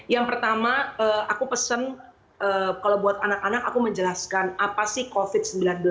yang pertama aku pesen kalau buat anak anak aku menjelaskan apa sih covid sembilan belas